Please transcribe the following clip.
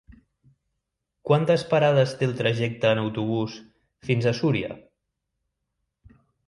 Quantes parades té el trajecte en autobús fins a Súria?